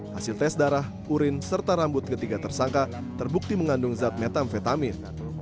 hasil tes darah urin serta rambut ketiga tersangka terbukti mengandung zat metamfetamin